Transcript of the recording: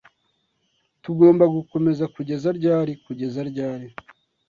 Tugomba gukomeza kugeza ryari kugeza ryari?